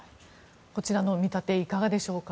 こちらの見立ていかがでしょうか。